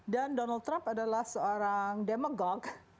dan donald trump adalah seorang demagog